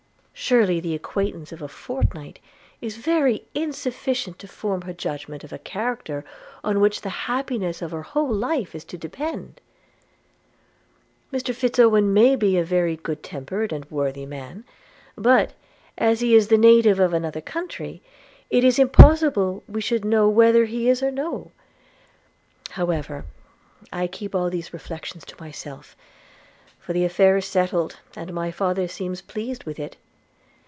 Surely the acquaintance of a fortnight is very insufficient to form her judgment of a character on which the happiness of her whole life is to depend. Mr Fitz Owen may be a very good tempered and worthy man; but, as he is the native of another country, it is impossible we should know whether he is or no. However, I keep all these reflections to myself; for the affair is settled, and my father seems pleased with it.